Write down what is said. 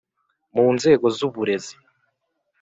mu nzego zu burezi,